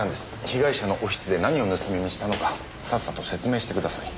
被害者のオフィスで何を盗み見したのかさっさと説明してください。